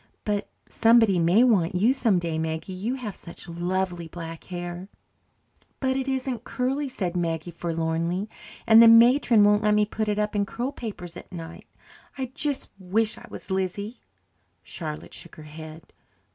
"But somebody may want you some day, Maggie. You have such lovely black hair." "But it isn't curly," said Maggie forlornly. "And the matron won't let me put it up in curl papers at night. I just wish I was Lizzie." Charlotte shook her head.